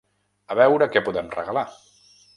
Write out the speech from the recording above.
A veure què podem regalar.